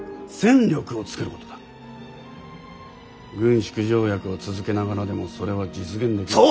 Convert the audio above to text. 軍縮条約を続けながらでもそれは実現できる。